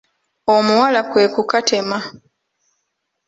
Omuwala kwe kukatema